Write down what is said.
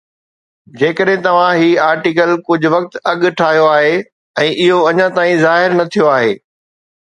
جيڪڏھن توھان ھي آرٽيڪل ڪجھ وقت اڳ ٺاھيو آھي ۽ اھو اڃا تائين ظاهر نه ٿيو آھي